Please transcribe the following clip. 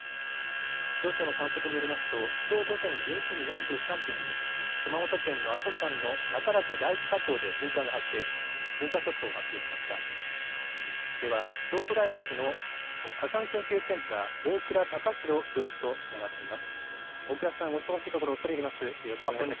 気象庁の観測によりますときょう午前１１時４３分に熊本県の阿蘇山の中岳第一火口で噴火が発生し噴火速報を発表しました。